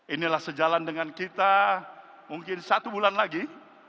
inilah sejalan dengan kita mungkin satu bulan lagi